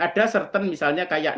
ada certain misalnya kayak